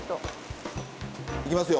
いきますよ！